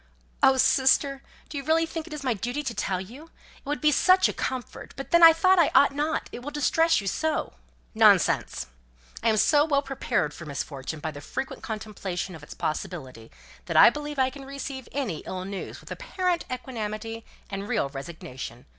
"Oh, sister! do you think it is really my duty to tell you? it would be such a comfort; but then I thought I ought not; it will distress you so." "Nonsense. I am so well prepared for misfortune by the frequent contemplation of its possibility that I believe I can receive any ill news with apparent equanimity and real resignation.